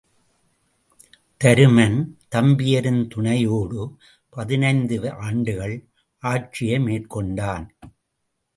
தருமன் தம்பியரின் துணையோடு பதினைந்து ஆண்டுகள் ஆட்சியை மேற்கொண்டான்.